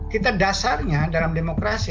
kita dasarnya dalam demokrasi